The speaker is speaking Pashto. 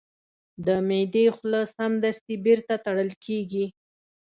د معدې خوله سمدستي بیرته تړل کېږي.